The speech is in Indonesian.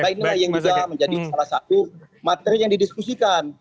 ini juga menjadi salah satu materi yang didiskusikan